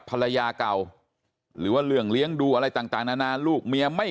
ภรรยาเก่าหรือว่าเรื่องเลี้ยงดูอะไรต่างนานาลูกเมียไม่